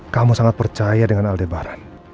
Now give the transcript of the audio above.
kamu sangat percaya dengan aldebaran